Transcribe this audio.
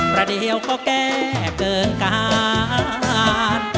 ประเดียวก็แก้เกินการ